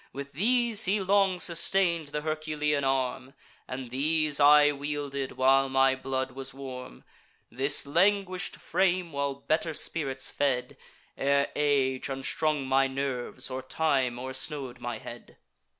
With these he long sustain'd th' Herculean arm; And these I wielded while my blood was warm, This languish'd frame while better spirits fed, Ere age unstrung my nerves, or time o'ersnow'd my head.